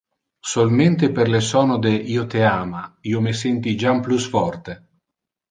Solmente per le sono de "io te ama" io me senti jam plus forte.